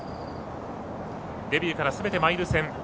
デビューからすべてマイル戦。